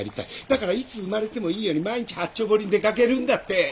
だからいつ産まれてもいいように毎日八丁堀に出かけるんだって。